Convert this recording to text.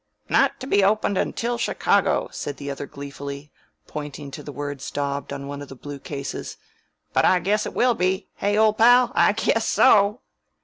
"'Not to be opened until Chicago,'" said the other gleefully, pointing to the words daubed on one of the blue cases. "But I guess it will be hey, old pal? I guess so!"